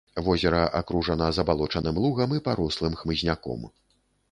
Возера акружана забалочаным лугам і парослым хмызняком.